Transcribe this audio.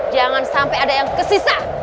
jangan sampai ada yang kesisa